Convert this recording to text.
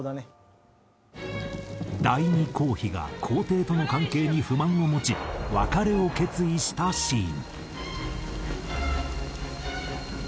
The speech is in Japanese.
第二皇妃が皇帝との関係に不満を持ち別れを決意したシーン。